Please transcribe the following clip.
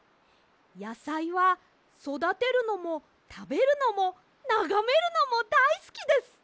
やさいはそだてるのもたべるのもながめるのもだいすきです！